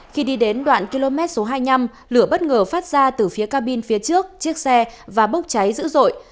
khi đi đến đoạn km số hai mươi năm lửa bất ngờ phát ra từ phía cabin phía trước chiếc xe và bốc cháy dữ dội